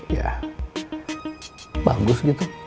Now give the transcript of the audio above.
ya bagus gitu